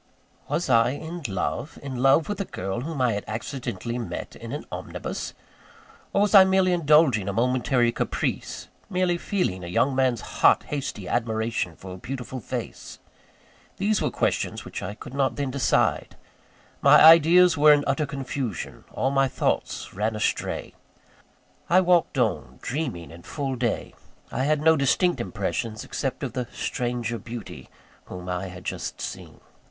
Was I in love? in love with a girl whom I had accidentally met in an omnibus? Or, was I merely indulging a momentary caprice merely feeling a young man's hot, hasty admiration for a beautiful face? These were questions which I could not then decide. My ideas were in utter confusion, all my thoughts ran astray. I walked on, dreaming in full day I had no distinct impressions, except of the stranger beauty whom I had just seen.